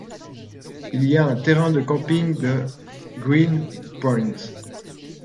Il y a un terrain de camping de à Green Point.